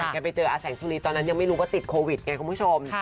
แกไปเจออาแสงสุรีตอนนั้นยังไม่รู้ว่าติดโควิดไงคุณผู้ชม